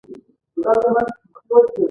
دا خبرې په داسې وخت کې کېږي چې د 'سیليکان درې'.